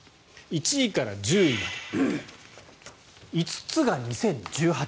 １位から１０位まで５つが２０１８年。